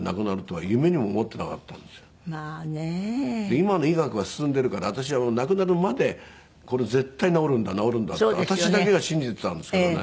今の医学は進んでるから私は亡くなるまでこれ絶対治るんだ治るんだって私だけが信じてたんですけどね。